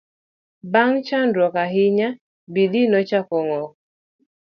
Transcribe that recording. bang' chandruok ahinya, Bidii nochako ng'ok